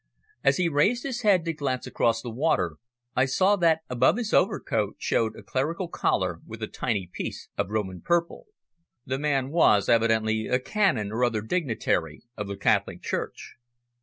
As he raised his head to glance across the water I saw that above his overcoat showed a clerical collar with a tiny piece of Roman purple. The man was evidently a canon or other dignitary of the Catholic Church.